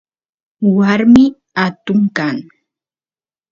warmi atun kan